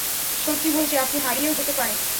সত্যি বলছি আপনি হারিয়েও যেতে পারেন।